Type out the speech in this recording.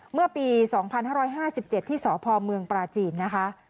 เมื่อปี๒๕๕๗ที่สพเมืองปราจีนนะคะ